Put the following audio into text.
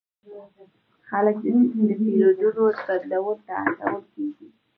خلک د توپیرونو بدلولو ته هڅول کیږي.